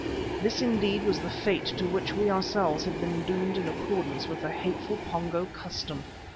This, indeed, was the fate to which we ourselves had been doomed in accordance with the hateful Pongo custom.